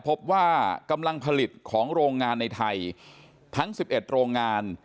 พบว่ากำลังผลิตของโรงงานในไทยทั้ง๑๑โรงงาน